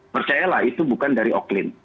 percayalah itu bukan dari oklin